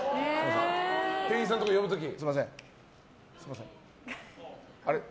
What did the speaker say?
店員さんとか呼ぶ時に。